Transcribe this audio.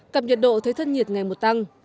cặp nhiệt độ thấy thân nhiệt ngày một tăng